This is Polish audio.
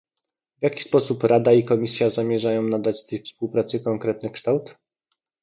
w jaki sposób Rada i Komisja zamierzają nadać tej współpracy konkretny kształt?